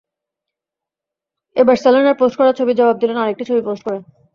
এবার সেলেনার পোস্ট করা ছবির জবাব দিলেন আরেকটি ছবি পোস্ট করে।